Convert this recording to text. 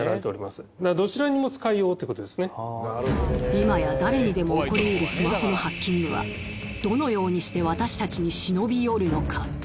今や誰にでも起こりうるスマホのハッキングはどのようにして私たちに忍び寄るのか？